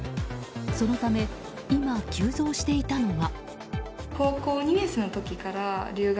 そのため、今急増していたのは。